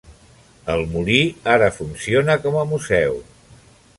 El molí ara funciona com a museu.